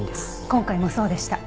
今回もそうでした。